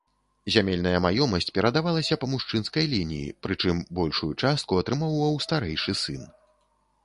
Зямельная маёмасць перадавалася па мужчынскай лініі, прычым большую частку атрымоўваў старэйшы сын.